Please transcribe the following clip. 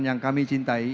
yang kami cintai